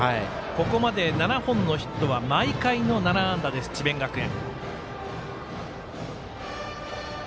ここまで７本のヒットは毎回の７安打です、智弁学園。